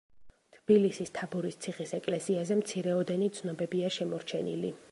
თბილისის თაბორის ციხის ეკლესიაზე მცირეოდენი ცნობებია შემორჩენილი.